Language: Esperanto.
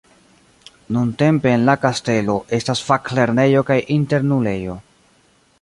Nuntempe en la kastelo estas faklernejo kaj internulejo.